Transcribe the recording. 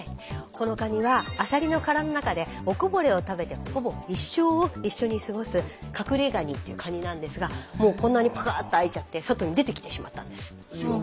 このカニはアサリの殻の中でおこぼれを食べてほぼ一生を一緒に過ごすカクレガニっていうカニなんですがもうこんなにパカーッと開いちゃって外に出てきてしまったんです。